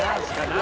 何？